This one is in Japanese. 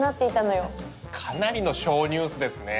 かなりの小ニュースですね